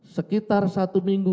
sekitar satu minggu